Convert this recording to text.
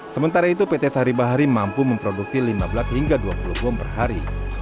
sementara itu pt sari bahari mampu memproduksi lima belas hingga dua puluh bom per hari